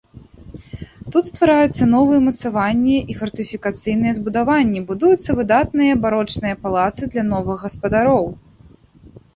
Тут ствараюцца новыя ўмацаванні і фартыфікацыйныя збудаванні, будуюцца выдатныя барочныя палацы для новых гаспадароў.